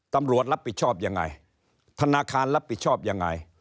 ตำรวจรับผิดชอบยังไงธนาคารรับผิดชอบยังไง